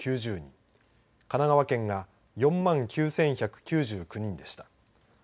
神奈川県が４万９１９９人でした。